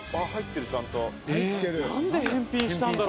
なんで返品したんだろ？